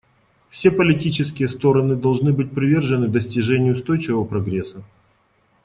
Все политические стороны должны быть привержены достижению устойчивого прогресса.